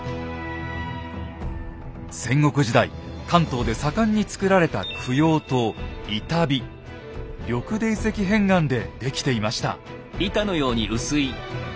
戦国時代関東で盛んにつくられた供養塔緑泥石片岩で出来ていました。